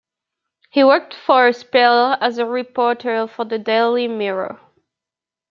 He worked for a spell as a reporter for the "Daily Mirror".